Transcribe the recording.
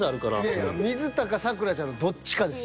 いやいや水田か咲楽ちゃんのどっちかです。